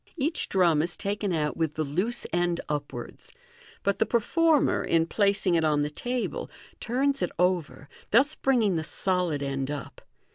Each drum is taken out with the loose end upwards ; but the performer, in placing it on the table, turns it over, thus bringing the solid end up.